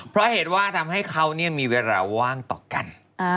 เพราะเหตุว่าทำให้เขามีเวลาว่างต่อกัน